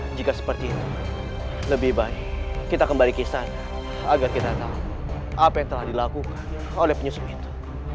jika seperti itu lebih baik kita kembali ke istana agar kita tahu apa yang telah dilakukan oleh penyusum itu